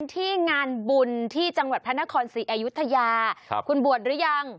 ที่งานบุญที่จังหวัดพระนครศรีอยุธยาคุณบวชหรือยัง